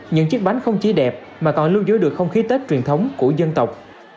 những chiếc bánh không chỉ đẹp mà còn lưu giữ được không khí tết truyền thống của dân tộc